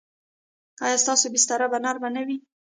ایا ستاسو بستره به نرمه نه وي؟